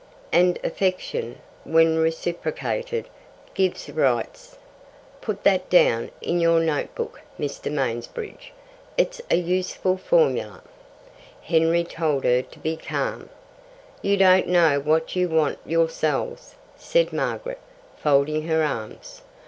And affection, when reciprocated, gives rights. Put that down in your notebook, Mr. Mansbridge. It's a useful formula." Henry told her to be calm. "You don't know what you want yourselves," said Margaret, folding her arms.